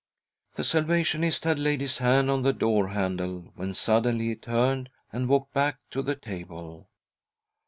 The Salvationist had laid his hand on the door handle when suddenly he turned and walked back to the table.